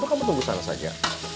kamu tunggu sana saja